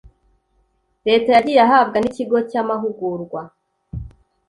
leta yagiye ahabwa n ikigo cy amahugurwa